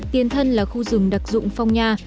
tiên thân là khu rừng đặc dụng phong nha